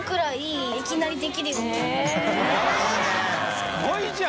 すごいじゃん！